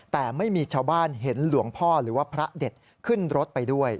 แต่ไม่มีชาวบ้านเห็นหลวงพ่อหรือว่าพระเด็ดขึ้นรถไปด้วย